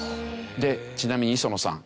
ちなみに磯野さん